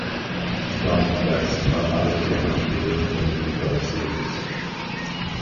Die Diamondbacks gewannen alle vier Heimspiele und somit die World Series.